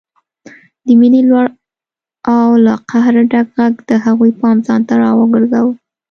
د مينې لوړ او له قهره ډک غږ د هغوی پام ځانته راوګرځاوه